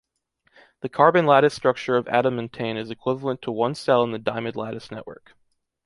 The carbon lattice structure of Adamantane is equivalent to one cell in the diamond lattice network.